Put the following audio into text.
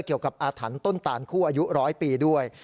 เกี่ยวกับอาถรรพ์ต้นตาลคู่อายุ๑๐๐ปีด้วย